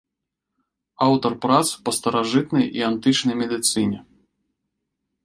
Аўтар прац па старажытнай і антычнай медыцыне.